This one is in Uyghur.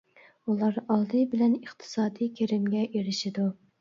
ئۇلار ئالدى بىلەن ئىقتىسادىي كىرىمگە ئېرىشىدۇ.